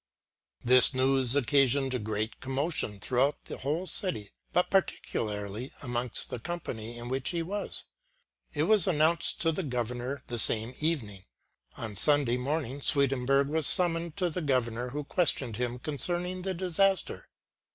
This news occasioned great commotion throughout the whole city, but particularly amongst the company in which he was. It was announced to the Governor the same evening. On Sunday morning Swedenborg was summoned to the Governor who questioned him concerning the disaster.